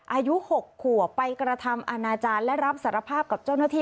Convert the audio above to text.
อายุ๖ขัวไปกระทำอาณาจารย์และรับสารภาพกับเจ้าหน้าที่